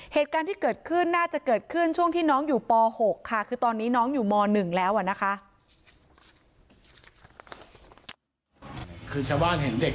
เหตุการณ์ที่เกิดขึ้นน่าจะเกิดขึ้นช่วงที่น้องอยู่ป๖ค่ะคือตอนนี้น้องอยู่ม๑แล้วนะคะ